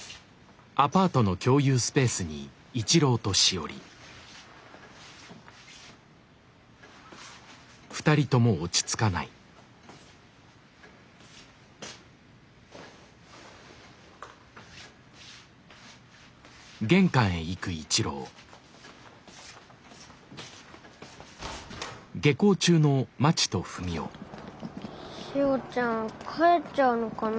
しおちゃん帰っちゃうのかな。